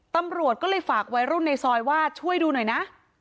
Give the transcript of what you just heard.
ตำรวจก็เลยฝากวัยรุ่นในซอยว่าช่วยดูหน่อยนะ